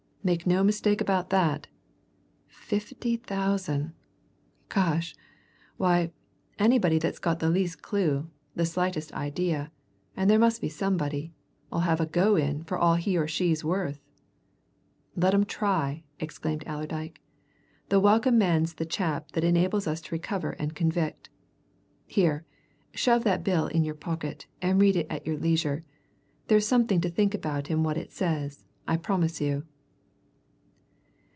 "Make no mistake about that! Fifty thousand! Gosh! why, anybody that's got the least clue, the slightest idea and there must be somebody 'll have a go in for all he or she's worth!" "Let 'em try!" exclaimed Allerdyke. "The welcome man's the chap that enables us to recover and convict. Here, shove that bill in your pocket, and read it at your leisure there's something to think about in what it says, I promise you."